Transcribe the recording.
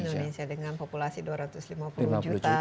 indonesia dengan populasi dua ratus lima puluh juta